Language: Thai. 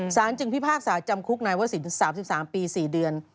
สารจึงพิพากษาจำคุกนายวศิลป์๓๓ปี๔เดือน